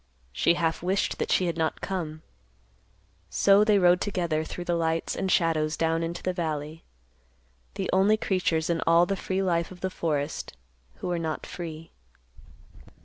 She half wished that she had not come. So they rode together through the lights and shadows down into the valley, the only creatures in all the free life of the forest who were not free.